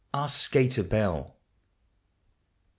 OUR SKATER BELLE.